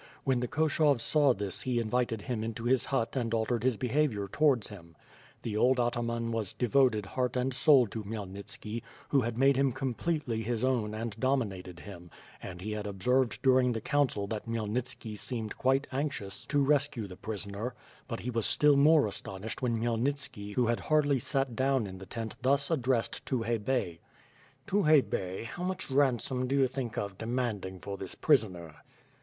When the Koshov saw this he invited him into his hut and altered his behavior towards him. The old ataman was devoted heart and soul to Khmyelnitski, who had made him completely his own and dominated him — ^and he had observed during the council that Khmyelnitski seemed quite anxious to rescue the prisoner; but he was still more astonished when Khmyelnitski who had hardly sat down in the tent thus addresj^ed Tukhay Bey: "Tukhay Bey, how much ransom do you think of demand ing for this prisoner?"